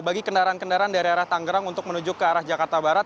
bagi kendaraan kendaraan dari arah tanggerang untuk menuju ke arah jakarta barat